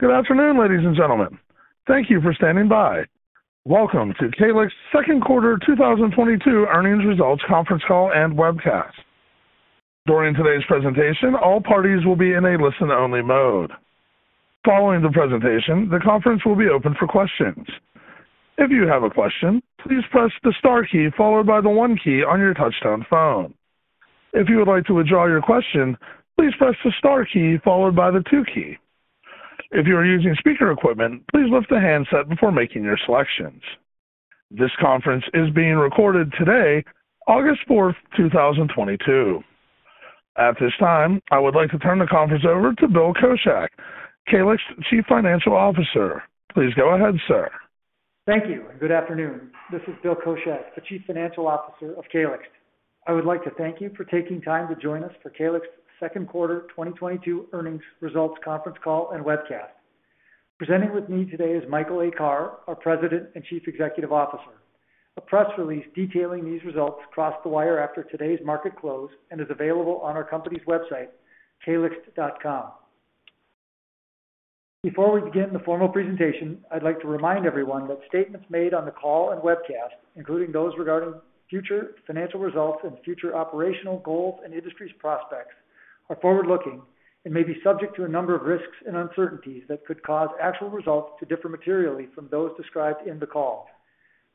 Good afternoon, ladies and gentlemen. Thank you for standing by. Welcome to Calyxt's second quarter 2022 earnings results conference call and webcast. During today's presentation, all parties will be in a listen-only mode. Following the presentation, the conference will be open for questions. If you have a question, please press the star key followed by the one key on your touchtone phone. If you would like to withdraw your question, please press the star key followed by the two key. If you are using speaker equipment, please lift the handset before making your selections. This conference is being recorded today, August 4th, 2022. At this time, I would like to turn the conference over to Bill Koschak, Calyxt's Chief Financial Officer. Please go ahead, sir. Thank you and good afternoon. This is Bill Koschak, the Chief Financial Officer of Calyxt. I would like to thank you for taking time to join us for Calyxt's second quarter 2022 earnings results conference call and webcast. Presenting with me today is Michael A. Carr, our President and Chief Executive Officer. A press release detailing these results crossed the wire after today's market close and is available on our company's website, calyxt.com. Before we begin the formal presentation, I'd like to remind everyone that statements made on the call and webcast, including those regarding future financial results and future operational goals and industry's prospects, are forward-looking and may be subject to a number of risks and uncertainties that could cause actual results to differ materially from those described in the call.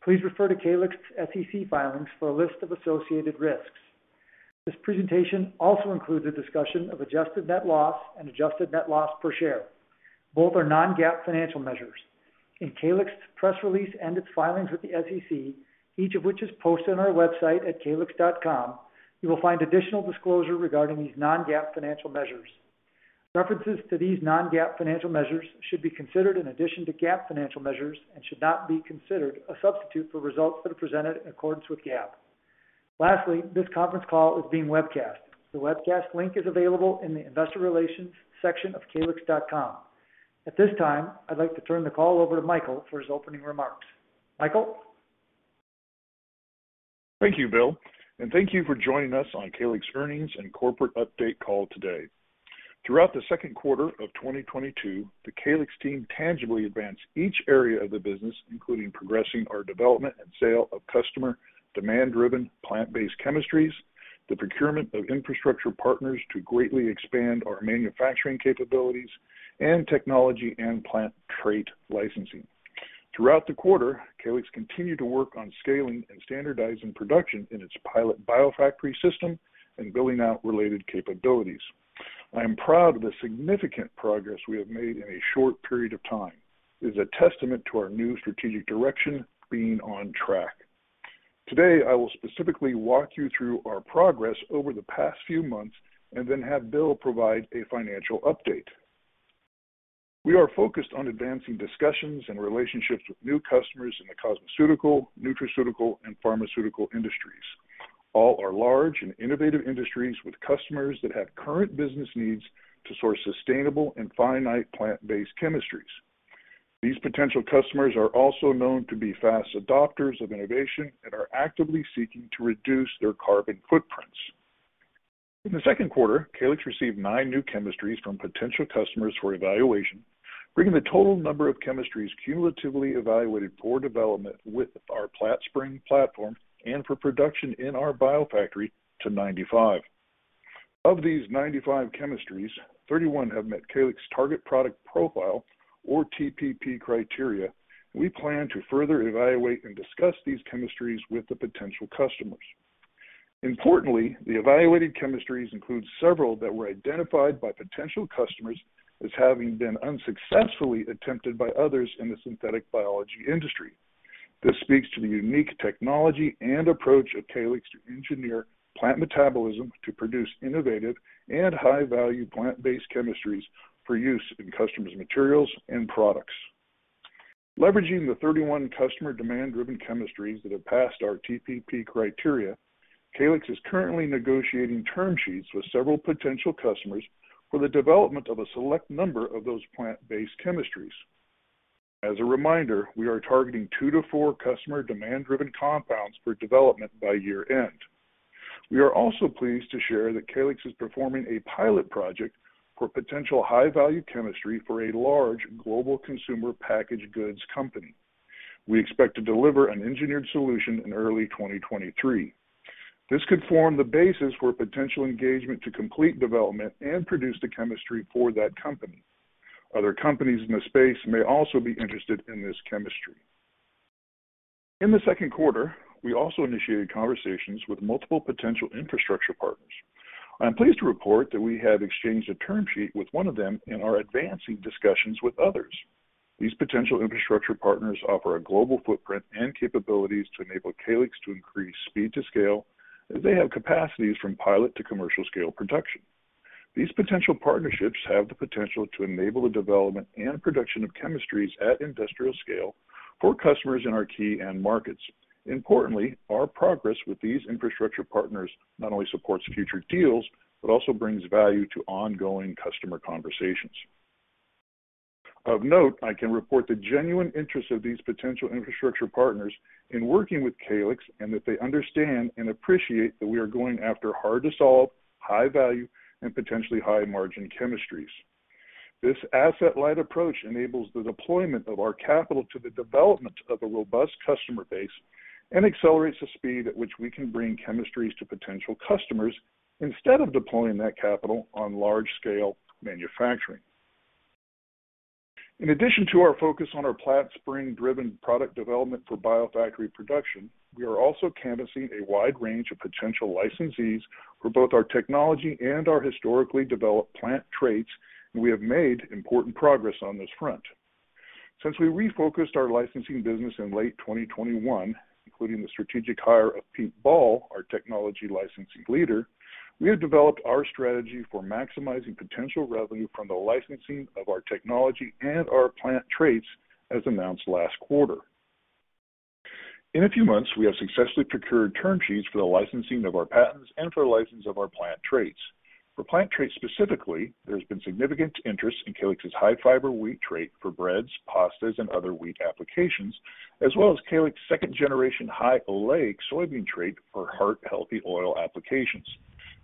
Please refer to Calyxt's SEC filings for a list of associated risks. This presentation also includes a discussion of adjusted net loss and adjusted net loss per share. Both are non-GAAP financial measures. In Calyxt's press release and its filings with the SEC, each of which is posted on our website at calyxt.com, you will find additional disclosure regarding these non-GAAP financial measures. References to these non-GAAP financial measures should be considered in addition to GAAP financial measures and should not be considered a substitute for results that are presented in accordance with GAAP. Lastly, this conference call is being webcast. The webcast link is available in the investor relations section of calyxt.com. At this time, I'd like to turn the call over to Michael for his opening remarks. Michael? Thank you, Bill, and thank you for joining us on Calyxt's earnings and corporate update call today. Throughout the second quarter of 2022, the Calyxt team tangibly advanced each area of the business, including progressing our development and sale of customer demand-driven plant-based chemistries, the procurement of infrastructure partners to greatly expand our manufacturing capabilities and technology and plant trait licensing. Throughout the quarter, Calyxt continued to work on scaling and standardizing production in its pilot BioFactory system and building out related capabilities. I am proud of the significant progress we have made in a short period of time. It is a testament to our new strategic direction being on track. Today, I will specifically walk you through our progress over the past few months and then have Bill provide a financial update. We are focused on advancing discussions and relationships with new customers in the cosmeceutical, nutraceutical, and pharmaceutical industries. All are large and innovative industries with customers that have current business needs to source sustainable and finite plant-based chemistries. These potential customers are also known to be fast adopters of innovation and are actively seeking to reduce their carbon footprints. In the second quarter, Calyxt received nine new chemistries from potential customers for evaluation, bringing the total number of chemistries cumulatively evaluated for development with our PlantSpring platform and for production in our BioFactory to 95. Of these 95 chemistries, 31 have met Calyxt's Target Product Profile or TPP criteria. We plan to further evaluate and discuss these chemistries with the potential customers. Importantly, the evaluated chemistries include several that were identified by potential customers as having been unsuccessfully attempted by others in the synthetic biology industry. This speaks to the unique technology and approach of Calyxt to engineer plant metabolism to produce innovative and high-value plant-based chemistries for use in customers' materials and products. Leveraging the 31 customer demand-driven chemistries that have passed our TPP criteria, Calyxt is currently negotiating term sheets with several potential customers for the development of a select number of those plant-based chemistries. As a reminder, we are targeting two to four customer demand-driven compounds for development by year-end. We are also pleased to share that Calyxt is performing a pilot project for potential high-value chemistry for a large global consumer packaged goods company. We expect to deliver an engineered solution in early 2023. This could form the basis for potential engagement to complete development and produce the chemistry for that company. Other companies in the space may also be interested in this chemistry. In the second quarter, we also initiated conversations with multiple potential infrastructure partners. I am pleased to report that we have exchanged a term sheet with one of them and are advancing discussions with others. These potential infrastructure partners offer a global footprint and capabilities to enable Calyxt to increase speed to scale, as they have capacities from pilot to commercial scale production. These potential partnerships have the potential to enable the development and production of chemistries at industrial scale for customers in our key end markets. Importantly, our progress with these infrastructure partners not only supports future deals, but also brings value to ongoing customer conversations. Of note, I can report the genuine interest of these potential infrastructure partners in working with Calyxt and that they understand and appreciate that we are going after hard-to-solve, high-value, and potentially high-margin chemistries. This asset-light approach enables the deployment of our capital to the development of a robust customer base and accelerates the speed at which we can bring chemistries to potential customers instead of deploying that capital on large-scale manufacturing. In addition to our focus on our PlantSpring-driven product development for BioFactory production, we are also canvassing a wide range of potential licensees for both our technology and our historically developed plant traits, and we have made important progress on this front. Since we refocused our licensing business in late 2021, including the strategic hire of Pete Ball, our technology licensing leader, we have developed our strategy for maximizing potential revenue from the licensing of our technology and our plant traits, as announced last quarter. In a few months, we have successfully procured term sheets for the licensing of our patents and for the license of our plant traits. For plant traits specifically, there has been significant interest in Calyxt's high-fiber wheat trait for breads, pastas, and other wheat applications, as well as Calyxt's second-generation high oleic soybean trait for heart-healthy oil applications.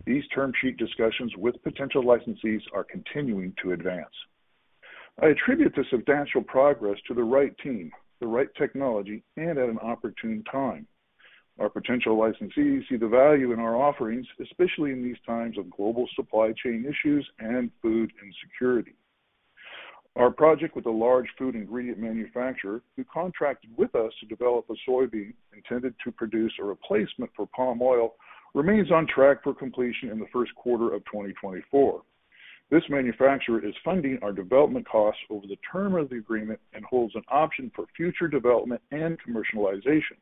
These term sheet discussions with potential licensees are continuing to advance. I attribute this substantial progress to the right team, the right technology, and at an opportune time. Our potential licensees see the value in our offerings, especially in these times of global supply chain issues and food insecurity. Our project with a large food ingredient manufacturer who contracted with us to develop a soybean intended to produce a replacement for palm oil remains on track for completion in the first quarter of 2024. This manufacturer is funding our development costs over the term of the agreement and holds an option for future development and commercialization.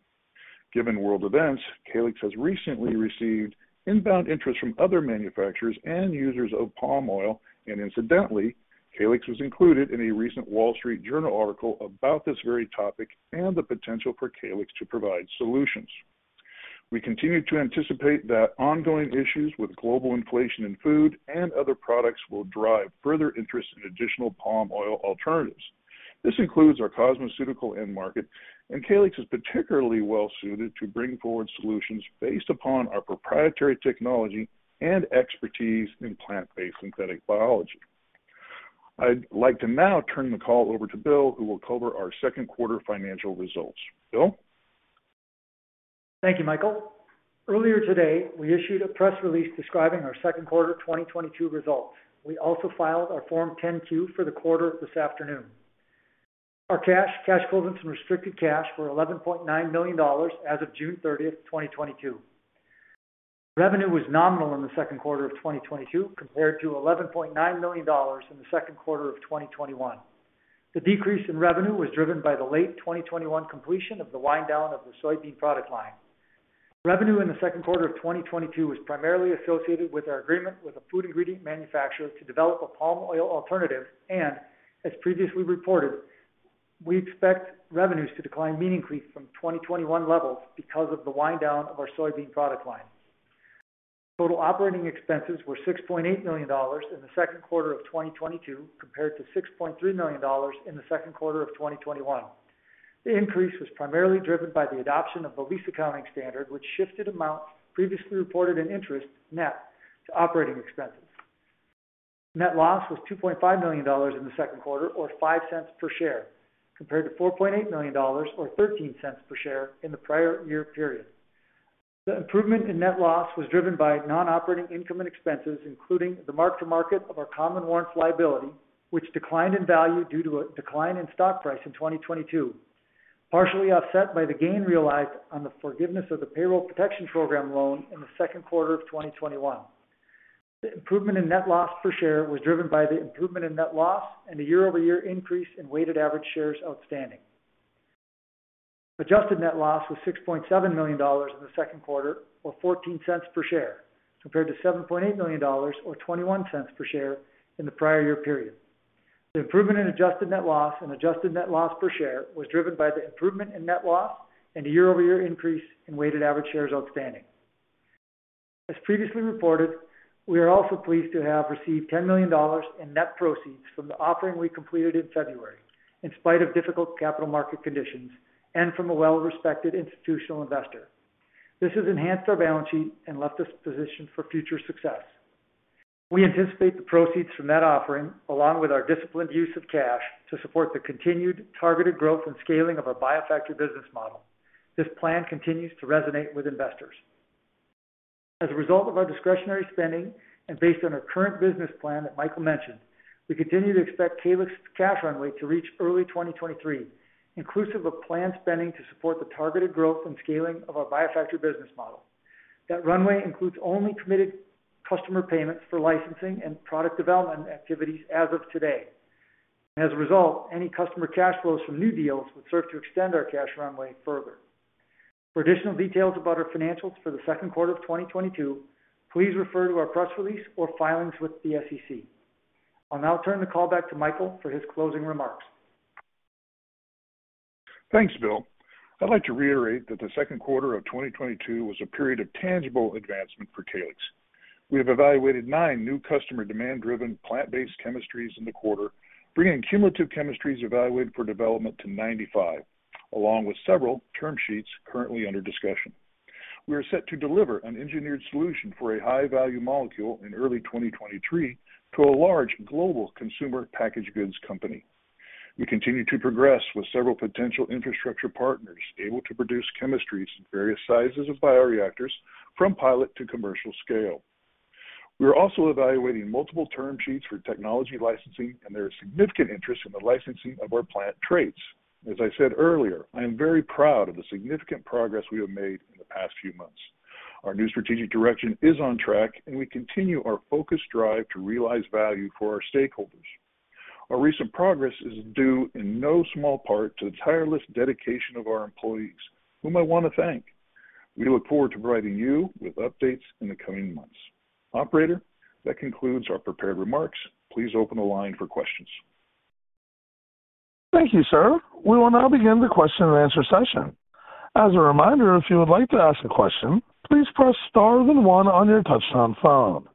Given world events, Calyxt has recently received inbound interest from other manufacturers and users of palm oil. Incidentally, Calyxt was included in a recent The Wall Street Journal article about this very topic and the potential for Calyxt to provide solutions. We continue to anticipate that ongoing issues with global inflation in food and other products will drive further interest in additional palm oil alternatives. This includes our cosmeceutical end market, and Calyxt is particularly well suited to bring forward solutions based upon our proprietary technology and expertise in plant-based synthetic biology. I'd like to now turn the call over to Bill, who will cover our second quarter financial results. Bill? Thank you, Michael. Earlier today, we issued a press release describing our second quarter 2022 results. We also filed our Form 10-Q for the quarter this afternoon. Our cash equivalents, and restricted cash were $11.9 million as of June 30th, 2022. Revenue was nominal in the second quarter of 2022 compared to $11.9 million in the second quarter of 2021. The decrease in revenue was driven by the late 2021 completion of the wind down of the soybean product line. Revenue in the second quarter of 2022 was primarily associated with our agreement with a food ingredient manufacturer to develop a palm oil alternative. As previously reported, we expect revenues to decline meaningfully from 2021 levels because of the wind down of our soybean product line. Total operating expenses were $6.8 million in the second quarter of 2022, compared to $6.3 million in the second quarter of 2021. The increase was primarily driven by the adoption of the lease accounting standard, which shifted amounts previously reported in interest net to operating expenses. Net loss was $2.5 million in the second quarter, or $0.05 per share, compared to $4.8 million, or $0.13 per share in the prior year period. The improvement in net loss was driven by non-operating income and expenses, including the mark to market of our common warrants liability, which declined in value due to a decline in stock price in 2022, partially offset by the gain realized on the forgiveness of the Paycheck Protection Program loan in the second quarter of 2021. The improvement in net loss per share was driven by the improvement in net loss and a year-over-year increase in weighted average shares outstanding. Adjusted net loss was $6.7 million in the second quarter, or 14 cents per share, compared to $7.8 million, or 21 cents per share in the prior year period. The improvement in adjusted net loss and adjusted net loss per share was driven by the improvement in net loss and a year-over-year increase in weighted average shares outstanding. As previously reported, we are also pleased to have received $10 million in net proceeds from the offering we completed in February, in spite of difficult capital market conditions and from a well-respected institutional investor. This has enhanced our balance sheet and left us positioned for future success. We anticipate the proceeds from that offering, along with our disciplined use of cash, to support the continued targeted growth and scaling of our BioFactory business model. This plan continues to resonate with investors. As a result of our discretionary spending and based on our current business plan that Michael mentioned, we continue to expect Calyxt's cash runway to reach early 2023, inclusive of planned spending to support the targeted growth and scaling of our BioFactory business model. That runway includes only committed customer payments for licensing and product development activities as of today. As a result, any customer cash flows from new deals would serve to extend our cash runway further. For additional details about our financials for the second quarter of 2022, please refer to our press release or filings with the SEC. I'll now turn the call back to Michael for his closing remarks. Thanks, Bill. I'd like to reiterate that the second quarter of 2022 was a period of tangible advancement for Calyxt. We have evaluated 9 new customer demand-driven plant-based chemistries in the quarter, bringing cumulative chemistries evaluated for development to 95, along with several term sheets currently under discussion. We are set to deliver an engineered solution for a high value molecule in early 2023 to a large global consumer packaged goods company. We continue to progress with several potential infrastructure partners able to produce chemistries in various sizes of bioreactors from pilot to commercial scale. We are also evaluating multiple term sheets for technology licensing, and there is significant interest in the licensing of our plant traits. As I said earlier, I am very proud of the significant progress we have made in the past few months. Our new strategic direction is on track, and we continue our focused drive to realize value for our stakeholders. Our recent progress is due in no small part to the tireless dedication of our employees, whom I want to thank. We look forward to providing you with updates in the coming months. Operator, that concludes our prepared remarks. Please open the line for questions. Thank you, sir. We will now begin the question and answer session. As a reminder, if you would like to ask a question, please press star then one on your touchtone phone.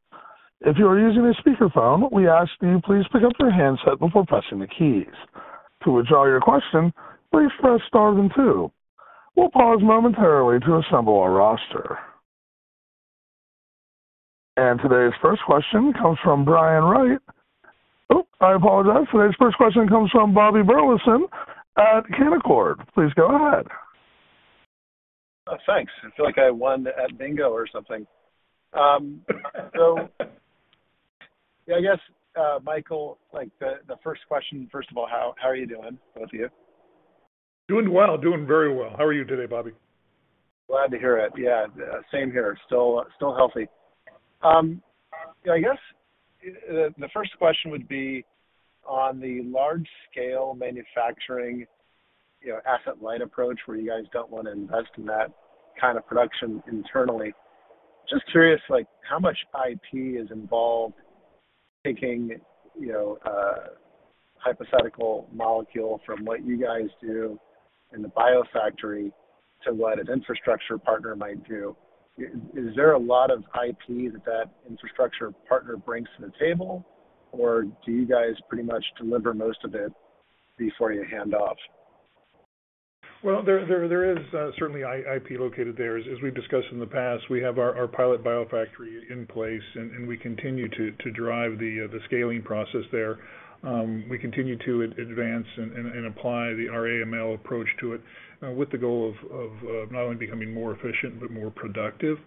If you are using a speakerphone, we ask that you please pick up your handset before pressing the keys. To withdraw your question, please press star then two. We'll pause momentarily to assemble our roster. Today's first question comes from Brian Wright. Oh, I apologize. Today's first question comes from Bobby Burleson at Canaccord. Please go ahead. Thanks. I feel like I won at bingo or something. Michael, like first of all, how are you doing, both of you? Doing well. Doing very well. How are you today, Bobby? Glad to hear it. Yeah, same here. Still healthy. I guess the first question would be on the large scale manufacturing, you know, asset light approach where you guys don't want to invest in that kind of production internally. Just curious, like how much IP is involved taking, you know, a hypothetical molecule from what you guys do in the BioFactory to what an infrastructure partner might do. Is there a lot of IP that that infrastructure partner brings to the table, or do you guys pretty much deliver most of it before you hand off? Well, there is certainly IP located there. As we've discussed in the past, we have our pilot BioFactory in place and we continue to drive the scaling process there. We continue to advance and apply our AIML approach to it, with the goal of not only becoming more efficient but more productive.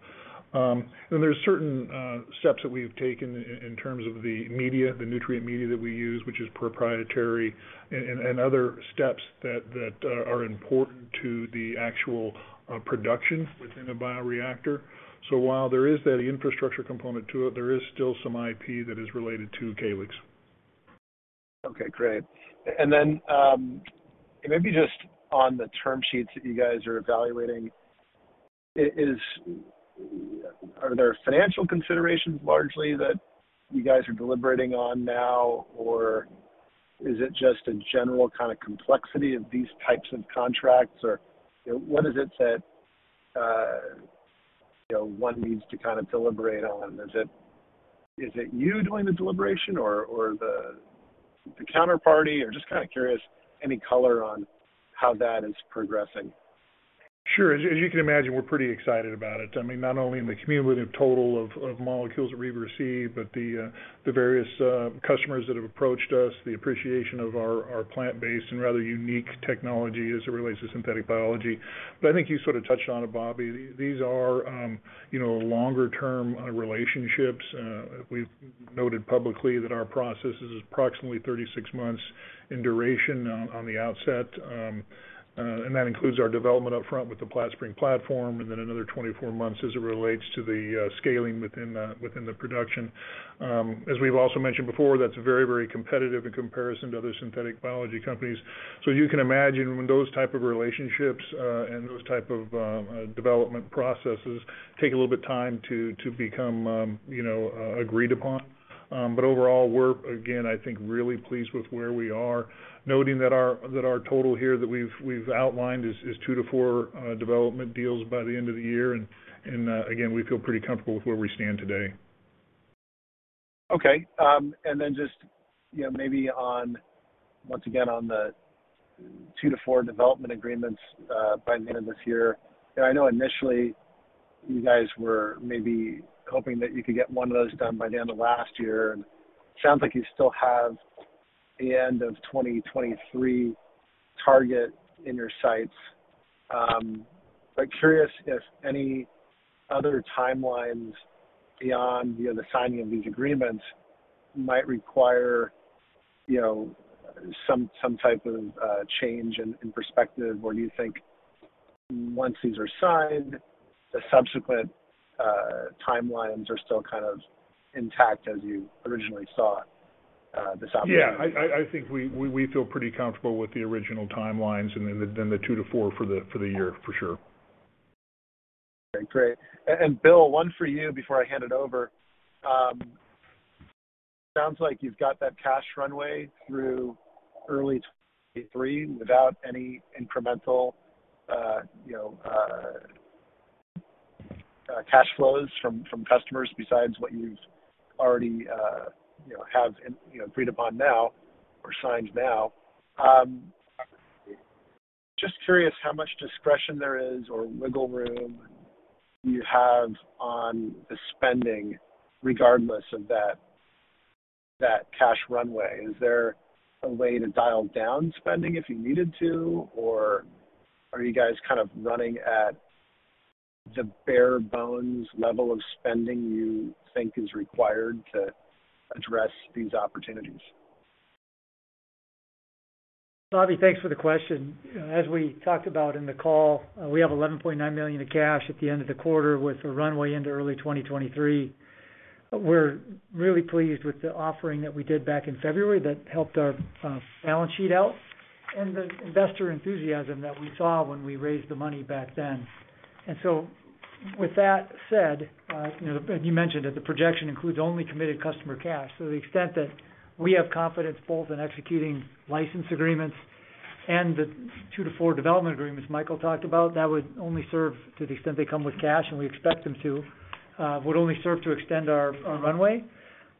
There's certain steps that we've taken in terms of the media, the nutrient media that we use, which is proprietary, and other steps that are important to the actual production within a bioreactor. While there is that infrastructure component to it, there is still some IP that is related to Calyxt. Okay, great. Maybe just on the term sheets that you guys are evaluating, Are there financial considerations largely that you guys are deliberating on now, or is it just a general kind of complexity of these types of contracts? You know, what is it that, you know, one needs to kind of deliberate on? Is it you doing the deliberation or the counterparty? Just kind of curious any color on how that is progressing. Sure. As you can imagine, we're pretty excited about it. I mean, not only in the cumulative total of molecules that we've received, but the various customers that have approached us, the appreciation of our plant-based and rather unique technology as it relates to synthetic biology. I think you sort of touched on it, Bobby. These are longer term relationships. We've noted publicly that our process is approximately 36 months in duration on the outset, and that includes our development up front with the PlantSpring platform and then another 24 months as it relates to the scaling within the production. As we've also mentioned before, that's very competitive in comparison to other synthetic biology companies. You can imagine when those type of relationships and those type of development processes take a little bit of time to become, you know, agreed upon. Overall, we're again, I think, really pleased with where we are, noting that our total here that we've outlined is two to four development deals by the end of the year. Again, we feel pretty comfortable with where we stand today. Okay. And then just, you know, maybe on once again on the two to four development agreements by the end of this year. I know initially you guys were maybe hoping that you could get one of those done by the end of last year. Sounds like you still have the end of 2023 target in your sights. But curious if any other timelines beyond, you know, the signing of these agreements might require, you know, some type of change in perspective, or do you think once these are signed, the subsequent timelines are still kind of intact as you originally saw this opportunity? Yeah, I think we feel pretty comfortable with the original timelines and then the two to four for the year for sure. Okay, great. Bill, one for you before I hand it over. Sounds like you've got that cash runway through early 2023 without any incremental cash flows from customers besides what you've already agreed upon now or signed now. Just curious how much discretion there is or wiggle room you have on the spending regardless of that cash runway. Is there a way to dial down spending if you needed to, or are you guys kind of running at the bare bones level of spending you think is required to address these opportunities? Bobby, thanks for the question. As we talked about in the call, we have $11.9 million in cash at the end of the quarter with a runway into early 2023. We're really pleased with the offering that we did back in February that helped our balance sheet out and the investor enthusiasm that we saw when we raised the money back then. With that said, you know, you mentioned that the projection includes only committed customer cash. To the extent that we have confidence both in executing license agreements and the two to four development agreements Michael talked about, that would only serve to the extent they come with cash, and we expect them to would only serve to extend our runway.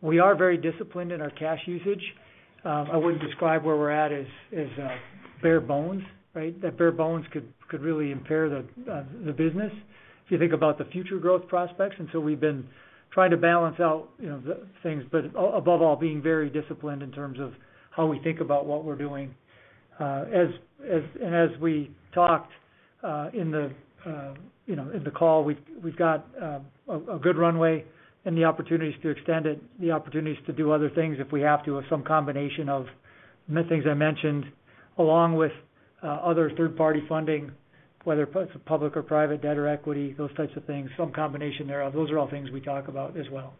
We are very disciplined in our cash usage. I wouldn't describe where we're at as bare bones, right? That bare bones could really impair the business if you think about the future growth prospects. We've been trying to balance out, you know, the things, but above all, being very disciplined in terms of how we think about what we're doing. As we talked in the call, you know, we've got a good runway and the opportunities to extend it, the opportunities to do other things if we have to, of some combination of the things I mentioned, along with other third-party funding, whether it's public or private, debt or equity, those types of things, some combination thereof. Those are all things we talk about as well.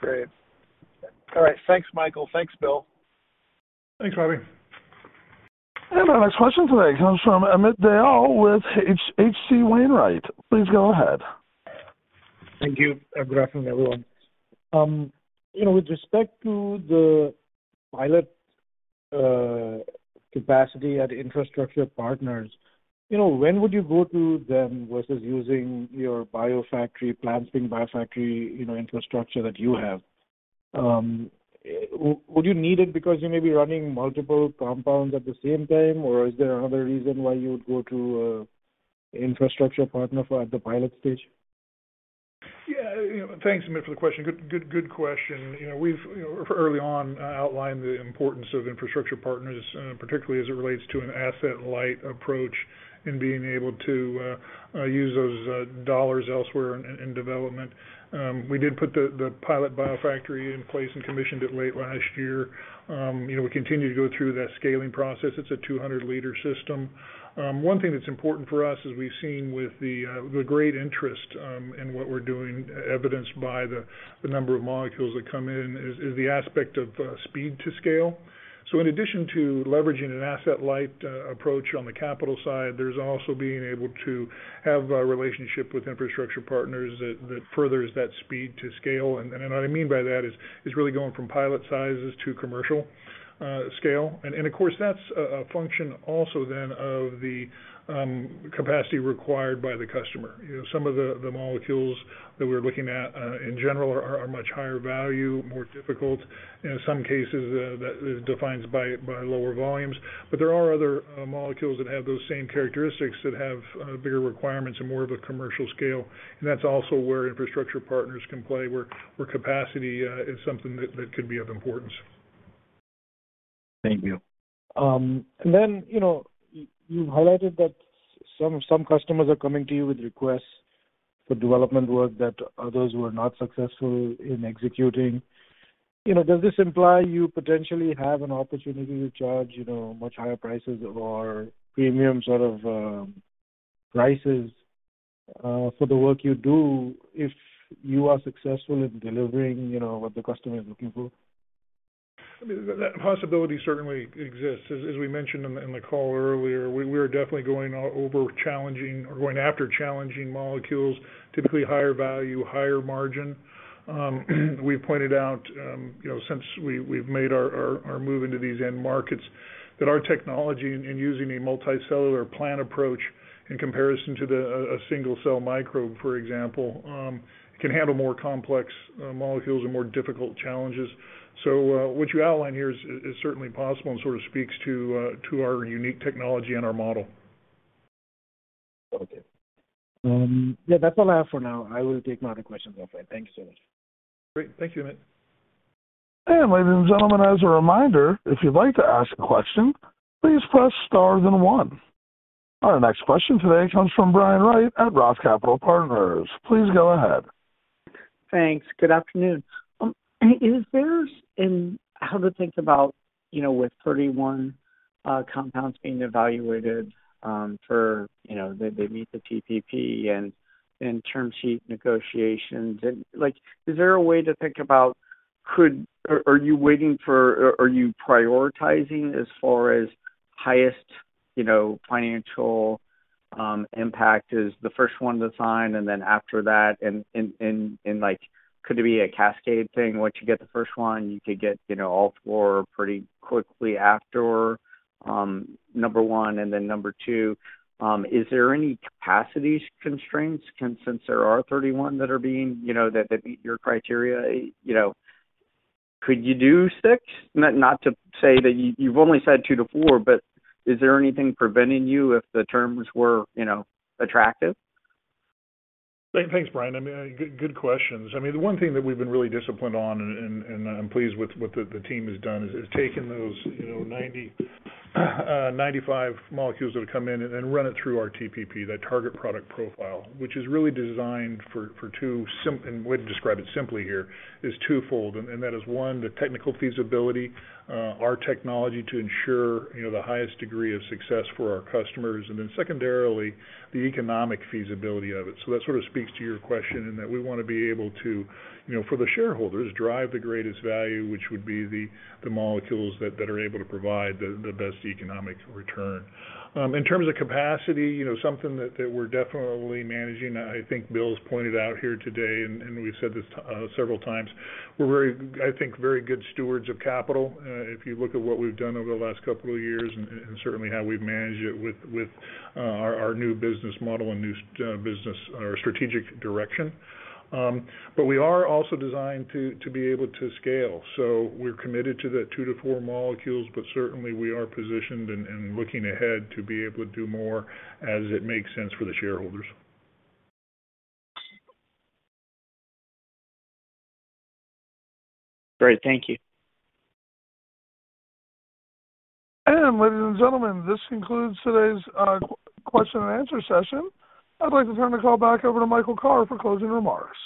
Great. All right. Thanks, Michael. Thanks, Bill. Thanks, Bobby. Our next question today comes from Amit Dayal with H.C. Wainwright. Please go ahead. Thank you. Good afternoon, everyone. You know, with respect to the pilot capacity at infrastructure partners, you know, when would you go to them versus using your BioFactory, PlantSpring BioFactory, you know, infrastructure that you have? Would you need it because you may be running multiple compounds at the same time, or is there another reason why you would go to infrastructure partners for the pilot stage? Yeah. Thanks, Amit, for the question. Good question. You know, we've early on outlined the importance of infrastructure partners, particularly as it relates to an asset-light approach in being able to use those dollars elsewhere in development. We did put the pilot BioFactory in place and commissioned it late last year. You know, we continue to go through that scaling process. It's a 200-L system. One thing that's important for us as we've seen with the great interest in what we're doing, evidenced by the number of molecules that come in is the aspect of speed to scale. In addition to leveraging an asset-light approach on the capital side, there's also being able to have a relationship with infrastructure partners that furthers that speed to scale. What I mean by that is really going from pilot sizes to commercial scale. Of course that's a function also then of the capacity required by the customer. You know, some of the molecules that we're looking at in general are much higher value, more difficult. In some cases, that is defined by lower volumes. But there are other molecules that have those same characteristics that have bigger requirements and more of a commercial scale. That's also where infrastructure partners can play, where capacity is something that could be of importance. Thank you. You know, you highlighted that some customers are coming to you with requests for development work that others were not successful in executing. You know, does this imply you potentially have an opportunity to charge much higher prices or premium sort of prices for the work you do if you are successful in delivering what the customer is looking for? That possibility certainly exists. As we mentioned in the call earlier, we're definitely going after challenging molecules, typically higher value, higher margin. We pointed out, you know, since we've made our move into these end markets, that our technology in using a multicellular plant approach in comparison to a single cell microbe, for example, can handle more complex molecules and more difficult challenges. What you outline here is certainly possible and sort of speaks to our unique technology and our model. Okay. Yeah, that's all I have for now. I will take my other questions offline. Thank you so much. Great. Thank you, Amit. Ladies and gentlemen, as a reminder, if you'd like to ask a question, please press star then one. Our next question today comes from Brian Wright at ROTH Capital Partners. Please go ahead. Thanks. Good afternoon. Is there a way to think about, you know, with 31 compounds being evaluated for, you know, that they meet the TPP and in term sheet negotiations. Like, is there a way to think about, are you prioritizing as far as highest, you know, financial impact is the first one to sign and then after that and like could it be a cascade thing? Once you get the first one, you could get, you know, all four pretty quickly after number one. Then number two, is there any capacity constraints since there are 31 that are being, you know, that meet your criteria, you know. Could you do six? Not to say that you've only said two to four, but is there anything preventing you if the terms were, you know, attractive? Thanks, Brian. I mean, good questions. I mean, the one thing that we've been really disciplined on and I'm pleased with what the team has done is taking those, you know, 95 molecules that have come in and run it through our TPP, that target product profile. Which is really designed for and would describe it simply here, is twofold. That is one, the technical feasibility, our technology to ensure, you know, the highest degree of success for our customers. Then secondarily, the economic feasibility of it. That sort of speaks to your question in that we wanna be able to, you know, for the shareholders, drive the greatest value, which would be the molecules that are able to provide the best economic return. In terms of capacity, you know, something that we're definitely managing. I think Bill's pointed out here today, and we've said this several times. We're very good stewards of capital. If you look at what we've done over the last couple of years and certainly how we've managed it with our new business model and new strategic direction. We are also designed to be able to scale. We're committed to the two to four molecules, but certainly we are positioned and looking ahead to be able to do more as it makes sense for the shareholders. Great. Thank you. Ladies and gentlemen, this concludes today's question and answer session. I'd like to turn the call back over to Michael Carr for closing remarks.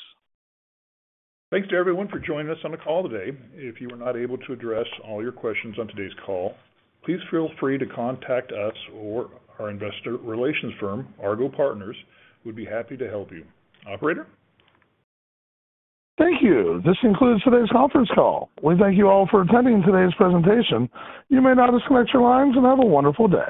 Thanks to everyone for joining us on the call today. If you were not able to address all your questions on today's call, please feel free to contact us or our investor relations firm, Argot Partners. We'd be happy to help you. Operator? Thank you. This concludes today's conference call. We thank you all for attending today's presentation. You may now disconnect your lines, and have a wonderful day.